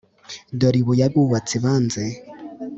Dore ibuye abubatsi banze